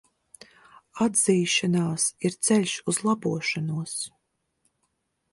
Atzīšanās ir ceļš uz labošanos.